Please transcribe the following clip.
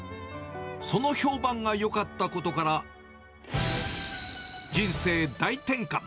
その評判がよかったことから、人生大転換！